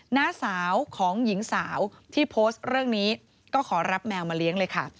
น้าสาวของหญิงสาวที่โพสต์เรื่องนี้ก็ขอรับแมวมาเลี้ยงเลยค่ะ